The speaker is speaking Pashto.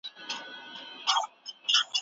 هلکه ته څه کوې؟